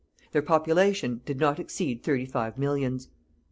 Their population did not exceed thirty five millions.